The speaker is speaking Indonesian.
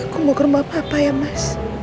gua mau ke rumah papa ya mas